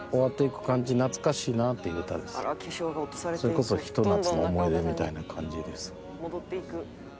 それこそひと夏の思い出みたいな感じです。